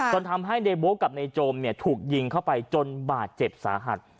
ก็ทำให้เดโบ๊กกับในโจมถูกยิงเข้าไปจนบาดเจ็บสาหัส